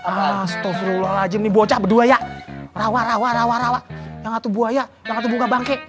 astagfirullahaladzim nih bocah berdua ya rawa rawa rawa rawa yang satu buaya yang satu bunga bangke